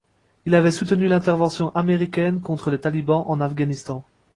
Il avait soutenu l'intervention américaine contre les Talibans en Afghanistan.